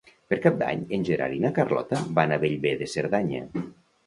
Per Cap d'Any en Gerard i na Carlota van a Bellver de Cerdanya.